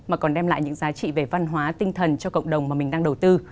mà còn đem lại những giá trị về văn hóa tinh thần cho cộng đồng mà mình đang đầu tư